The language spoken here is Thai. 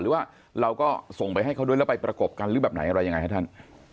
หรือว่าเราก็ส่งไปให้เขาด้วยแล้วไปประกบกันหรือแบบไหนอะไรยังไงฮะท่าน